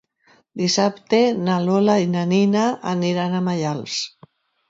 Dissabte na Lola i na Nina aniran a Maials.